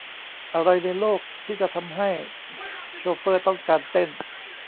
อะไรในโลกที่จะทำให้โชเฟอร์ต้องการเต้น ?